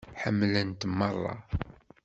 Ḥemmlen-t merra.